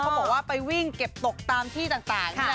เขาบอกว่าไปวิ่งเก็บตกตามที่ต่าง